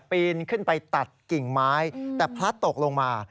ปีนขึ้นไปตัดกิ่งไม้แต่พลัดตกลงมา